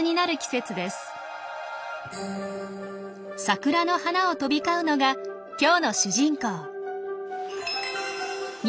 桜の花を飛び交うのが今日の主人公。